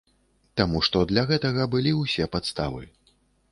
Таму што для гэтага былі ўсе падставы.